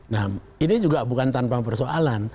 nah ini juga bukan tanpa persoalan